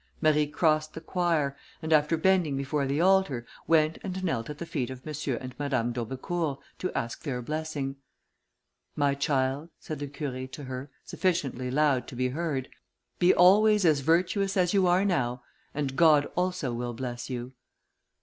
Marie crossed the choir, and, after bending before the altar, went and knelt at the feet of M. and Madame d'Aubecourt, to ask their blessing. "My child," said the Curé to her, sufficiently loud to be heard, "be always as virtuous as you are now, and God also will bless you."